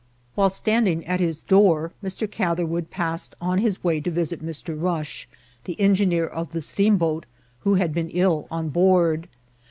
While standing at his door, Mr. Cathcrwood passed on his way to visit Mr. Rush, the engineer of the steam boat, who had been ill on board.